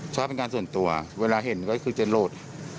ชอบเป็นการส่วนตัวเวลาเห็นก็คือจะโหลด